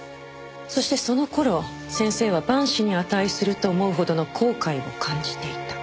そしてその頃先生は万死に値すると思うほどの後悔を感じていた。